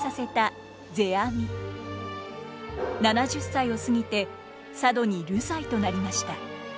７０歳を過ぎて佐渡に流罪となりました。